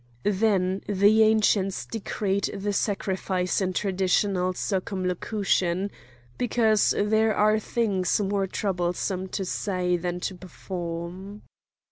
Then the Ancients decreed the sacrifice in traditional circumlocution,—because there are things more troublesome to say than to perform.